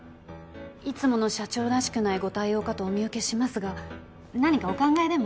いつもの社長らしくないご対応かとお見受けしますが何かお考えでも？